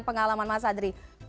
pengalaman mas adri